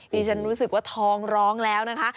ดิฉันรู้สึกว่าท้องร้องแล้วนะคะ